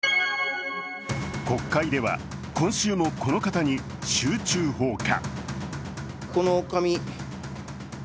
国会では今週もこの方に集中砲火。